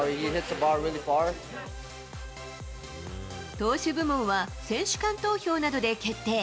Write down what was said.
投手部門は、選手間投票などで決定。